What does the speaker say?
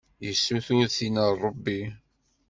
Yessutur tin a Ṛebbi.